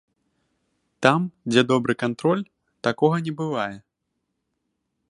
Там, дзе добры кантроль, такога не бывае.